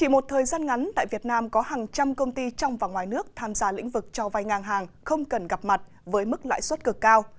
một thời gian ngắn tại việt nam có hàng trăm công ty trong và ngoài nước tham gia lĩnh vực cho vay ngang hàng không cần gặp mặt với mức lãi suất cực cao